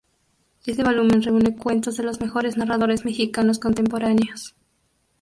Este volumen reúne cuentos de los mejores narradores mexicanos contemporáneos.